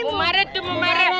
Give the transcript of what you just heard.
bumarah tuh bumarah